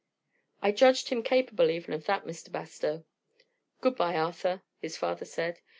"I judged him capable even of that, Mr. Bastow." "Goodby, Arthur," his father said.